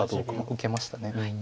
受けました。